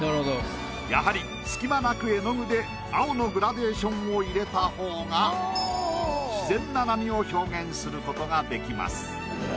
やはり隙間なく絵の具で青のグラデーションを入れた方が自然な波を表現することができます。